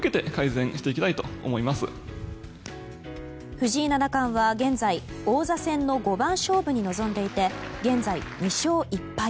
藤井七冠は現在王座戦の五番勝負に臨んでいて現在、２勝１敗。